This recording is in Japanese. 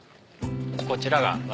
こちらが。